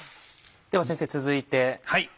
では先生続いて。